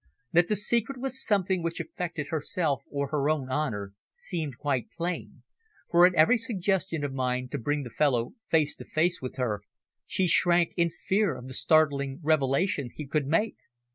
That the secret was something which affected herself or her own honour seemed quite plain, for, at every suggestion of mine to bring the fellow face to face with her, she shrank in fear of the startling revelation he could make.